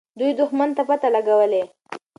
دوی دښمن ته پته لګولې.